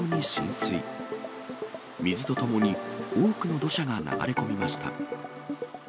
水とともに多くの土砂が流れ込みました。